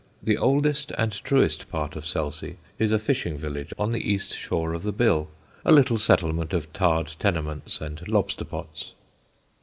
The oldest and truest part of Selsey is a fishing village on the east shore of the Bill, a little settlement of tarred tenements and lobster pots.